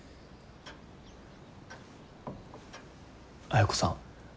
綾子さん。